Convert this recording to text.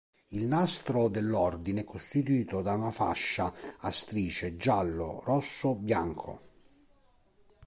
Il "nastro" dell'ordine è costituito da una fascia a strisce giallo-rosso-bianco.